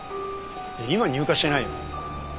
今入荷してないよ。